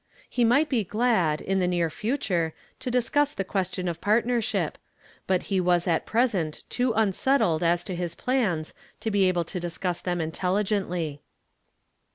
He might be glad, in the near future, to discuss the question of })artnei"sliip ; but he was at present too unsettled as to his plans to be able to discuss them intelligently.